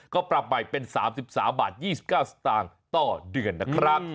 ก็ปรับใหม่เป็น๓๓บาท๒๙สตางค์ต่อเดือนนะครับ